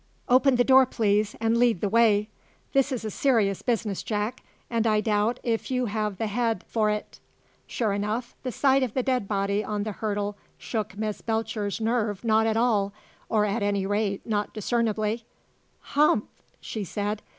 Open the door, please, and lead the way. This is a serious business, Jack, and I doubt if you have the head for it." Sure enough, the sight of the dead body on the hurdle shook Miss Belcher's nerve not at all, or, at any rate, not discernibly. "Humph!" she said.